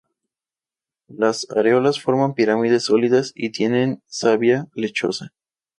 Las areolas forman pirámides sólidas y tienen savia lechosa.